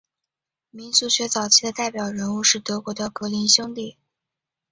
民俗学早期的代表人物是德国的格林兄弟。